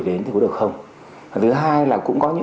cùng sự solicitud du dem schutzung